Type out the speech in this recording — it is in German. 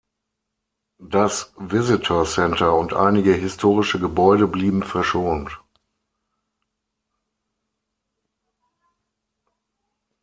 Das Visitor Center und einige historische Gebäude blieben verschont.